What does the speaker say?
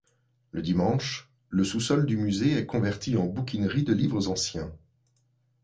Le dimanche, le sous-sol du musée est converti en bouquinerie de livres anciens.